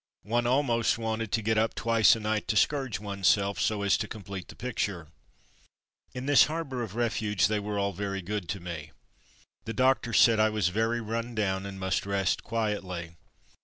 One almost wanted to get up twice a night to scourge oneself so as to complete the picture. In this harbour of refuge they were all very good to me. The doctors said I was very run down and must rest quietly.